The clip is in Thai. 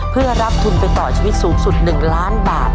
เพื่อรับทุนไปต่อชีวิตสูงสุด๑ล้านบาท